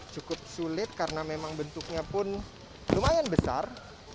cukup sulit karena memang bentuknya pun lumayan besar